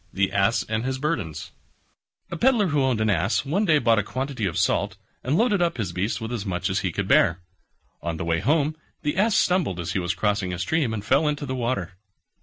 THE ASS AND HIS BURDENS A Pedlar who owned an Ass one day bought a quantity of salt, and loaded up his beast with as much as he could bear. On the way home the Ass stumbled as he was crossing a stream and fell into the water.